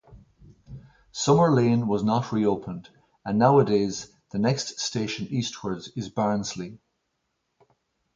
Summer Lane was not reopened, and nowadays the next station eastwards is Barnsley.